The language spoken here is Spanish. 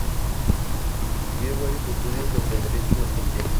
Escribió varios estudios sobre Derecho mercantil.